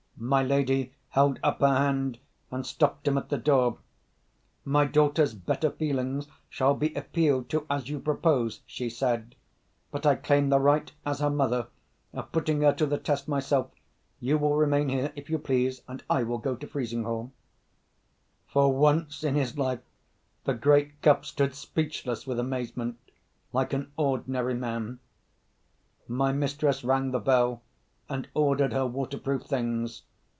My lady held up her hand, and stopped him at the door. "My daughter's better feelings shall be appealed to, as you propose," she said. "But I claim the right, as her mother, of putting her to the test myself. You will remain here, if you please; and I will go to Frizinghall." For once in his life, the great Cuff stood speechless with amazement, like an ordinary man. My mistress rang the bell, and ordered her waterproof things.